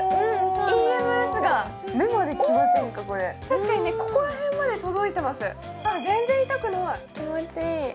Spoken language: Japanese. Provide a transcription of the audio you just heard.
確かに、ここら辺まで届いてます